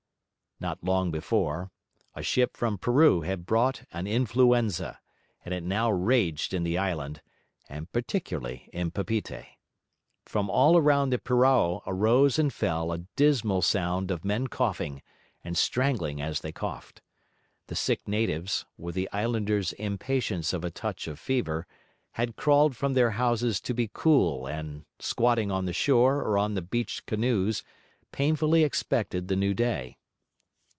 Not long before, a ship from Peru had brought an influenza, and it now raged in the island, and particularly in Papeete. From all round the purao arose and fell a dismal sound of men coughing, and strangling as they coughed. The sick natives, with the islander's impatience of a touch of fever, had crawled from their houses to be cool and, squatting on the shore or on the beached canoes, painfully expected the new day.